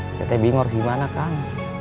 saya ternyata bingung harus gimana kang